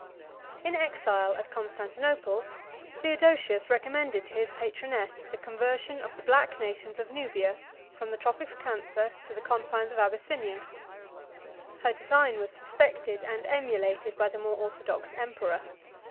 In exile at Constantinople, Theodosius recommended to his patroness the conversion of the black nations of Nubia, from the tropic of Cancer to the confines of Abyssinia. 152 Her design was suspected and emulated by the more orthodox emperor.